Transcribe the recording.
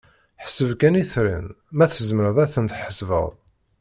Ḥseb kan itran, ma tzemreḍ ad ten-tḥesbeḍ!